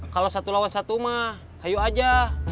kalau satu lawan satu mah ayo aja